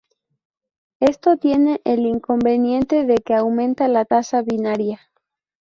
Esto tiene el inconveniente de que aumenta la tasa binaria.